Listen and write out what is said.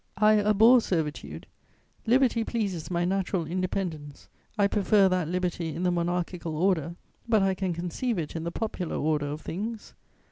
I abhor servitude; liberty pleases my natural independence; I prefer that liberty in the monarchical order, but I can conceive it in the popular order of things.